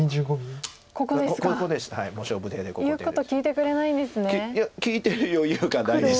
いや聞いてる余裕がないです。